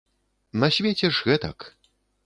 На свеце ж гэтак.